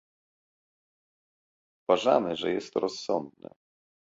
Uważamy, że jest to rozsądne